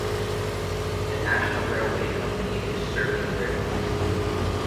The national railway company is Serbian Railways.